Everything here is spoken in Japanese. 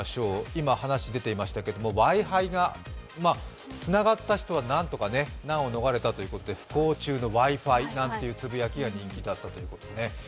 今、話出ていましたけどＷｉ−Ｆｉがつながった人はなんとか難を逃れたということで不幸中のＷｉ−Ｆｉなんていうつぶやきが人気だったということですね。